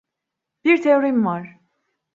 Bir teorim var.